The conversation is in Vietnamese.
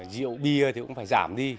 rượu bia thì cũng phải giảm đi